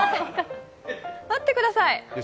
待ってください！